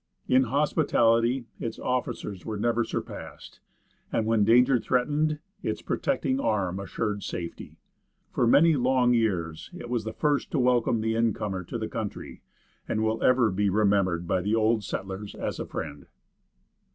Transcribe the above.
In hospitality its officers were never surpassed, and when danger threatened, its protecting arm assured safety. For many long years it was the first to welcome the incomer to the country, and will ever be remembered by the old settlers as a friend.